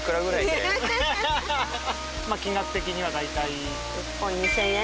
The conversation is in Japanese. まあ金額的には大体１本２０００円？